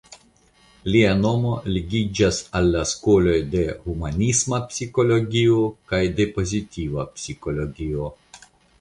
Lia nomo ligiĝas al la skoloj de humanisma psikologio kaj de pozitiva psikologio.